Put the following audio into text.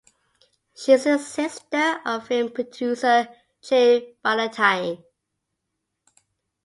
She is the sister of film producer Jane Ballantyne.